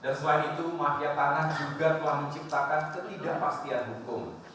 dan selain itu mafiatan juga telah menciptakan ketidakpastian hukum